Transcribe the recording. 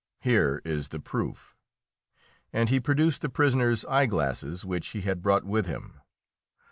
Here is the proof." And he produced the prisoner's eye glasses, which he had brought with him.